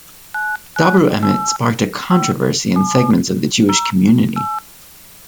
Dabru Emet sparked a controversy in segments of the Jewish community.